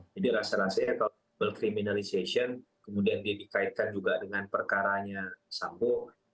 jadi rasa rasanya kalau kriminalisasi kemudian dia dikaitkan juga dengan perkaranya sambo